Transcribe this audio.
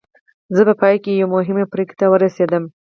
زه په پای کې یوې مهمې پرېکړې ته ورسېدم